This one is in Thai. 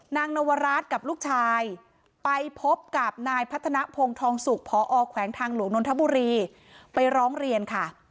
นวราชกับลูกชายไปพบกับนายพัฒนภงทองสุกพอแขวงทางหลวงนนทบุรีไปร้องเรียนค่ะ